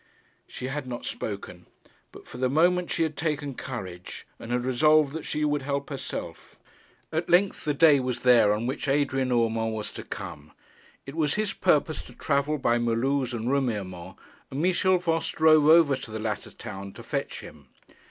She had not spoken; but for the moment she had taken courage, and had resolved that she would help herself. At length the day was there on which Adrian Urmand was to come. It was his purpose to travel by Mulhouse and Remiremont, and Michel Voss drove over to the latter town to fetch him.